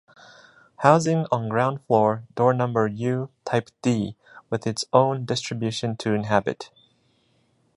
Housing on ground floor, door number U, type D, with its own distribution to inhabit.